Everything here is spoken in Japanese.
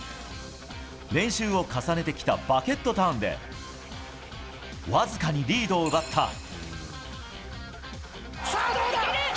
練習を重ねてきたバケットターンでわずかにリードを奪った。